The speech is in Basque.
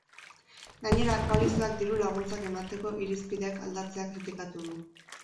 Gainera, koalizioak diru-laguntzak emateko irizpideak aldatzea kritikatu du.